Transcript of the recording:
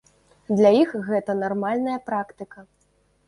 Для іх гэта нармальная практыка.